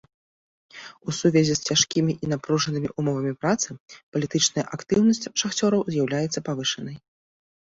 У сувязі з цяжкімі і напружанымі ўмовамі працы, палітычная актыўнасць шахцёраў з'яўляецца павышанай.